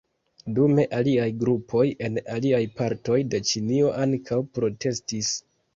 Dume aliaj grupoj en aliaj partoj de Ĉinio ankaŭ protestis.